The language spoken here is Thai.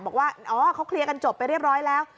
บอกว่าอ๋อเขาเคลียร์กันจบไปเรียบร้อยแล้ว